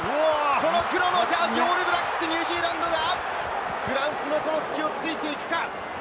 黒のジャージー、オールブラックス、ニュージーランドがフランスのその隙を突いていくか。